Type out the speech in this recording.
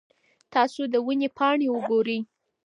تاسو د ونې پاڼې وګورئ.